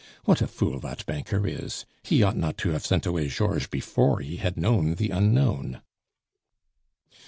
What a fool that banker is! He ought not to have sent away Georges before he had known the unknown!"